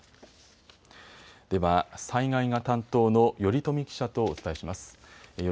では災害が担当の頼富記者とお伝えします。